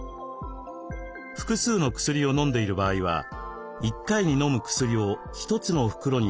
複数の薬を飲んでいる場合は１回に飲む薬を１つの袋にまとめる一包化。